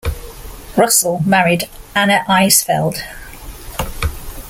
Russell married Anna Isfeld.